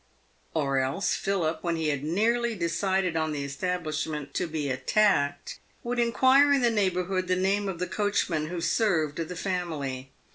Or else Philip, when he had nearly decided on the establishment to be attacked, would inquire in the neighbourhood the name of the coachman "who served the family."